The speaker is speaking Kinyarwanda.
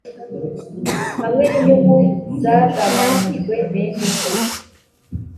hamwe n inyungu zagabanyijwe bene zo